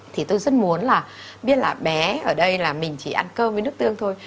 thì tôi rất muốn là biết là bé ở đây là mình chỉ ăn cơm với nước tương thôi